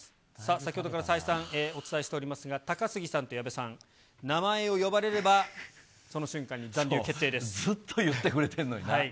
先ほどから再三お伝えしておりますが、高杉さんと矢部さん、名前を呼ばれれば、ずっと言ってくれてんのにな。